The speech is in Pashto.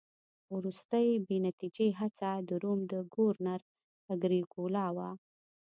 وروستۍ بې نتیجې هڅه د روم د ګورنر اګریکولا وه